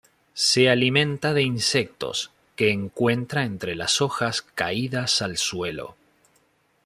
Se alimenta de insectos, que encuentra entre las hojas caídas al suelo.